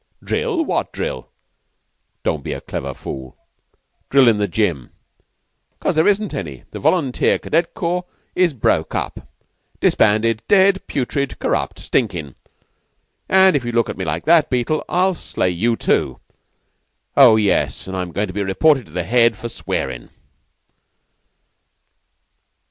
"Drill! What drill?" "Don't try to be a clever fool. Drill in the Gym." "'Cause there isn't any. The volunteer cadet corps is broke up disbanded dead putrid corrupt stinkin'. An' if you look at me like that, Beetle, I'll slay you too... Oh, yes, an' I'm goin' to be reported to the Head for swearin'."